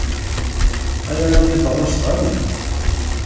Aya la d-iḍerru s tɣawla.